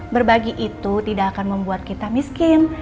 berbagi itu tidak akan membuat kita miskin